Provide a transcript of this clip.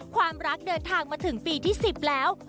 ความรักเดินทางมาถึงปีที่๑๐แล้ว